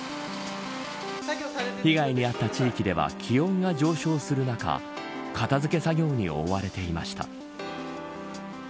被害に遭った地域では気温が上昇する中片付け作業に追われていました。